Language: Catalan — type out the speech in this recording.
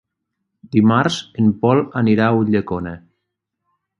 Dimarts en Pol anirà a Ulldecona.